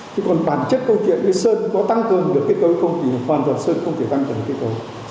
thế còn bản chất câu chuyện với sơn có tăng cường được cây cầu không thì hoàn toàn sơn không thể tăng cường cây cầu